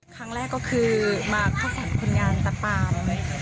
ครั้งแรกก็คือมาเข้าฝันคนงานสปาม